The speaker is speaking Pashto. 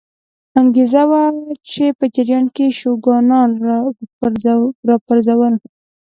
انګېزه وه چې په جاپان کې یې شوګانان را وپرځول.